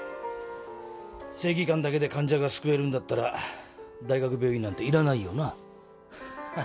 正義感だけで患者が救えるなら大学病院なんていらないよな？